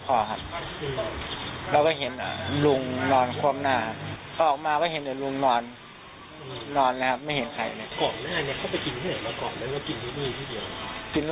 กลัวลุงเขามีเรื่องมีปัญหากับใคร